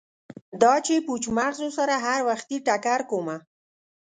دا چې پوچ مغزو سره هروختې ټکر کومه